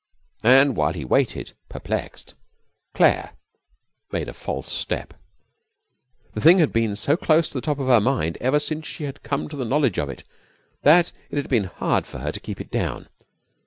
And while he waited, perplexed, Claire made a false step. The thing had been so close to the top of her mind ever since she had come to the knowledge of it that it had been hard for her to keep it down.